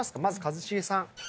まず一茂さん。